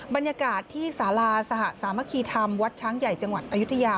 บรรยากาศที่สาราสหสามัคคีธรรมวัดช้างใหญ่จังหวัดอายุทยา